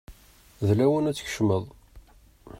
D lawan ad tkecmeḍ.